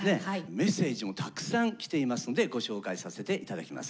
メッセージもたくさん来ていますんでご紹介させて頂きます。